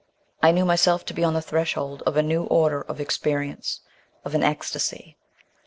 I knew myself to be on the threshold of a new order of experience of an ecstasy.